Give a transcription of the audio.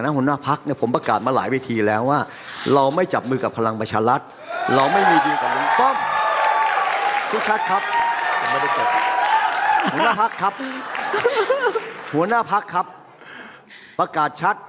หัวหน้าพักครับปรากฏชัด